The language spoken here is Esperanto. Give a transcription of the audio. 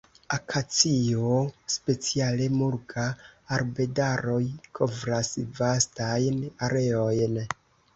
Akacio, speciale "mulga"-arbedaroj kovras vastajn areojn.